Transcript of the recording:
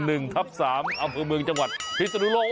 เอาเพราะเมืองจังหวัดที่สะดุโลก